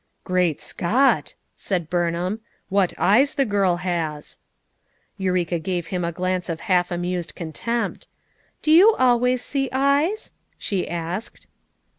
"Great Scott!" said Burnhain, "what eyes the girl has!" Eureka gave him a glance of half amused contempt. "Do you always see eyes?" she asked.